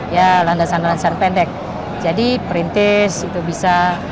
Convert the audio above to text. ya landasan landasan pendek jadi perintis itu bisa